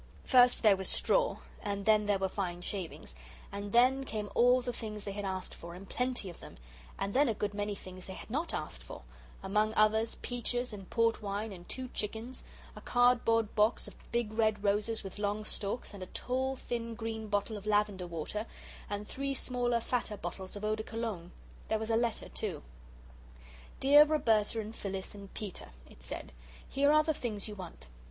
First there was straw, and then there were fine shavings, and then came all the things they had asked for, and plenty of them, and then a good many things they had not asked for; among others peaches and port wine and two chickens, a cardboard box of big red roses with long stalks, and a tall thin green bottle of lavender water, and three smaller fatter bottles of eau de Cologne. There was a letter, too. "Dear Roberta and Phyllis and Peter," it said; "here are the things you want.